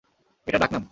এটা ডাক নাম।